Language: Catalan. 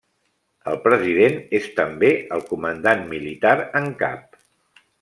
El president és també el comandant militar en cap.